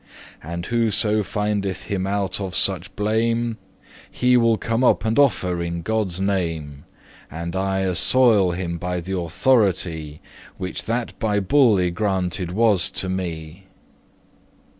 And whoso findeth him out of such blame, He will come up and offer in God's name; And I assoil* him by the authority *absolve Which that by bull y granted was to me."